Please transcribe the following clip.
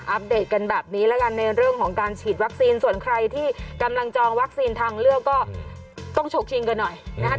เดตกันแบบนี้แล้วกันในเรื่องของการฉีดวัคซีนส่วนใครที่กำลังจองวัคซีนทางเลือกก็ต้องฉกชิงกันหน่อยนะครับ